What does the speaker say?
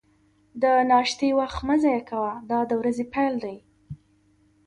د ناشتې وخت مه ضایع کوه، دا د ورځې پیل دی.